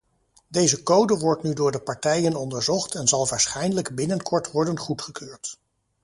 Deze code wordt nu door de partijen onderzocht en zal waarschijnlijk binnenkort worden goedgekeurd.